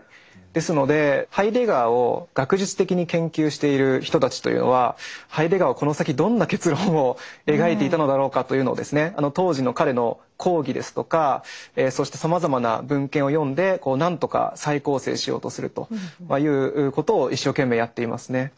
ですのでハイデガーを学術的に研究している人たちというのはハイデガーはこの先どんな結論を描いていたのだろうかというのを当時の彼の講義ですとかそしてさまざまな文献を読んで何とか再構成しようとするということを一生懸命やっていますね。